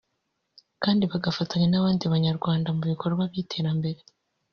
kandi bagafatanya n’abandi banyarwanda mu bikorwa by’iterambere